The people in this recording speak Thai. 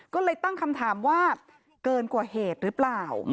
ก็เลยตั้งคำถามว่าเกินกว่าเหตุหรือเปล่า